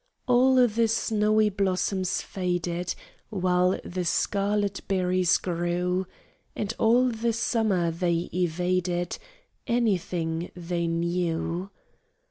All the snowy blossoms faded, While the scarlet berries grew; And all summer they evaded Anything they knew.